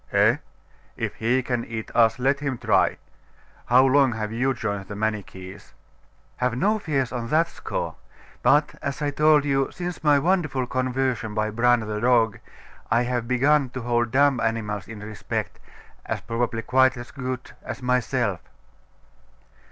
'Eh? If he can eat us, let him try. How long have you joined the Manichees?' 'Have no fears on that score. But, as I told you, since my wonderful conversion by Bran, the dog, I have begun to hold dumb animals in respect, as probably quite as good as myself.